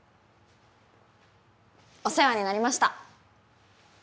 お世話になりました！